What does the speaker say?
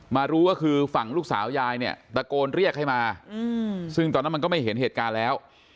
รู้ก็คือฝั่งลูกสาวยายเนี่ยตะโกนเรียกให้มาซึ่งตอนนั้นมันก็ไม่เห็นเหตุการณ์แล้ว